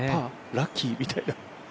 ラッキー！みたいな。